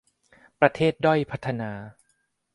ประเทศด้อยพัฒนา